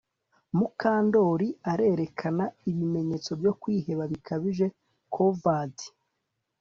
Mukandoli arerekana ibimenyetso byo kwiheba bikabije corvard